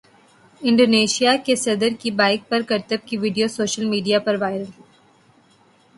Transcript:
Indonesia کے صدر کی بائیک پر کرتب کی ویڈیو سوشل میڈیا پر وائرل